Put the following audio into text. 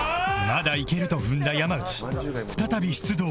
まだいけると踏んだ山内再び出動